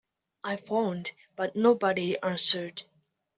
I phoned but nobody answered.